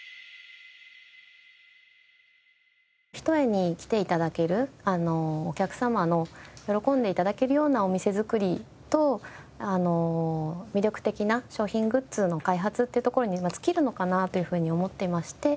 ひとえに来て頂けるお客様の喜んで頂けるようなお店作りと魅力的な商品グッズの開発っていうところに尽きるのかなというふうに思っていまして。